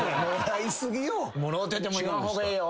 もろうてても言わん方がええよ。